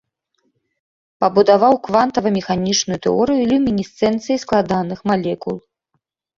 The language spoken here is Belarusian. Пабудаваў квантавамеханічную тэорыю люмінесцэнцыі складаных малекул.